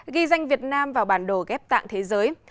ghi danh việt nam vào bản đồ ghép tạng thế giới